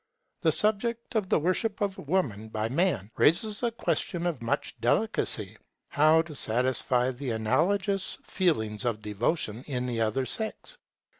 The subject of the worship of Woman by Man raises a question of much delicacy; how to satisfy the analogous feelings of devotion in the other sex.